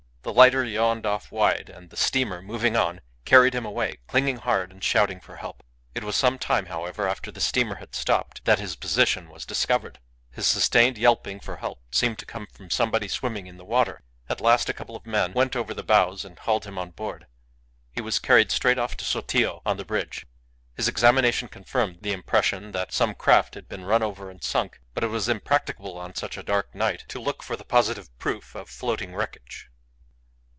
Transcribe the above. The lighter yawed off wide, and the steamer, moving on, carried him away, clinging hard, and shouting for help. It was some time, however, after the steamer had stopped that his position was discovered. His sustained yelping for help seemed to come from somebody swimming in the water. At last a couple of men went over the bows and hauled him on board. He was carried straight off to Sotillo on the bridge. His examination confirmed the impression that some craft had been run over and sunk, but it was impracticable on such a dark night to look for the positive proof of floating wreckage.